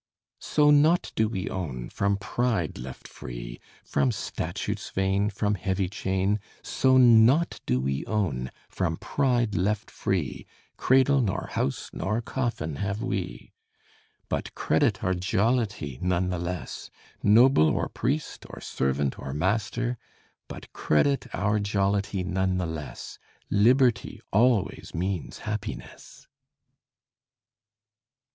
So naught do we own, from pride left free, From statutes vain, From heavy chain; So naught do we own, from pride left free, Cradle nor house nor coffin have we. But credit our jollity none the less, Noble or priest, or Servant or master; But credit our jollity none the less. Liberty always means happiness.